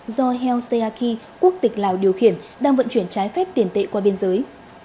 do heo seaki quốc tịch lào điều khiển đang vận chuyển trái phép tiền tệ qua biên giới